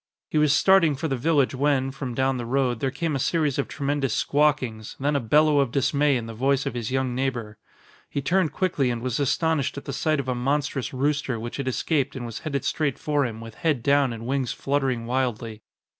He was starting for the village when, from down the road, there came a series of tremendous squawkings, then a bellow of dismay in the voice of his young neighbor. He turned quickly and was astonished at the sight of a monstrous rooster which had escaped and was headed straight for him with head down and wings fluttering wildly.